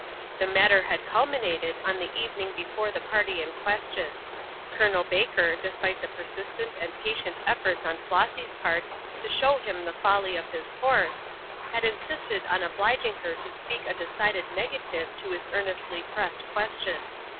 The matter had culminated on the evening before the party in question. Col. Baker, despite the persistent and patient efforts on Flossy's part to show him the folly of his course, had insisted on obliging her to speak a decided negative to his earnestly pressed question.